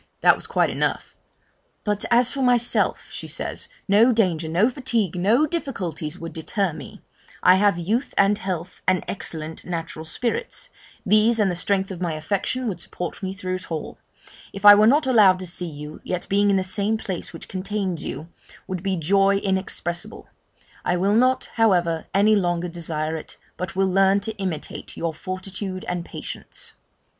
This was quite enough: 'But as for myself,' she says, 'no danger, no fatigue, no difficulties, would deter me I have youth, and health, and excellent natural spirits these and the strength of my affection would support me through it all; if I were not allowed to see you, yet being in the same place which contains you, would be joy inexpressible! I will not, however, any longer desire it, but will learn to imitate your fortitude and patience.'